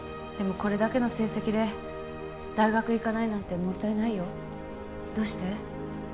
これだけの成績で大学行かないなんてもったいないよどうして？